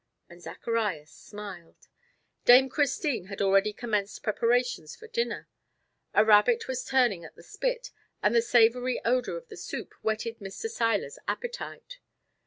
And Zacharias smiled. Dame Christine had already commenced preparations for dinner; a rabbit was turning at the spit and the savory odor of the soup whetted Mr. Seiler's appetite.